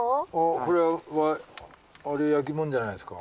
これは焼き物じゃないですか？